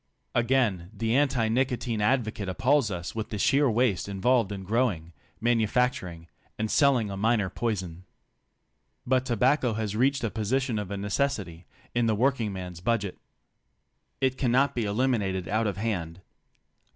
Again, the anti nicotine advocate appals us with the sheer waste involved in growing, manufacturing and sell ing a minor poison. But tobacco has reached the position of a necessity in the workingman's budget. It cannot be elimi nated out of hand.